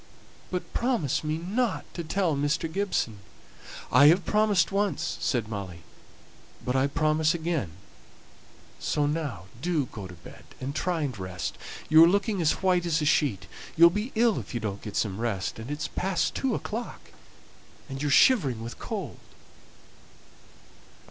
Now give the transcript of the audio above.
But promise me not to tell Mr. Gibson." "I have promised once," said Molly, "but I promise again; so now do go to bed, and try and rest. You are looking as white as a sheet; you'll be ill if you don't get some rest; and it's past two o'clock, and you're shivering with cold."